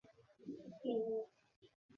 তা হলে চিরকুমার-সভাকে চিরজন্মের মতো কাঁদিয়ে এসেছ?